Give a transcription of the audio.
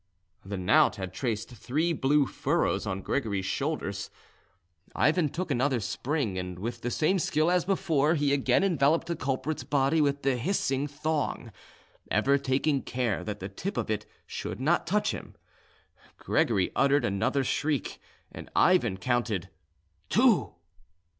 The knout had traced three blue furrows on Gregory's shoulders. Ivan took another spring, and with the same skill as before he again enveloped the culprit's body with the hissing thong, ever taking care that the tip of it should not touch him. Gregory uttered another shriek, and Ivan counted "Two."